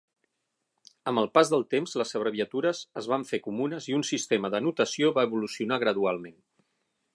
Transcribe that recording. Amb el pas del temps, les abreviatures es van fer comunes i un sistema de notació va evolucionar gradualment.